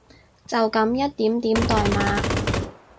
就噉一點點代碼